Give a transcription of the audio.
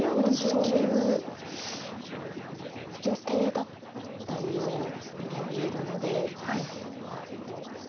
でもそういう予定だったようにも見えるので。